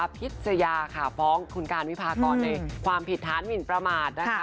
อภิษยาฟ้องคุณการวิภากรในความผิดท้านหวินประมาท